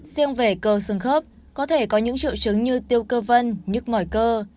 riêng về cơ xương khớp có thể có những triệu chứng như tiêu cơ vân nhức mỏi cơ